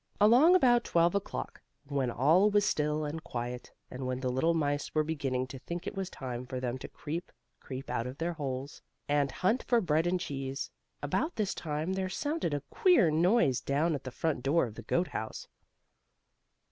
Along about 12 o'clock, when all was still and quiet, and when the little mice were beginning to think it was time for them to creep, creep out of their holes, and hunt for bread and cheese; about this time there sounded a queer noise down at the front door of the goat house.